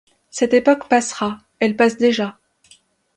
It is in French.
Cette époque passera, elle passe déjà.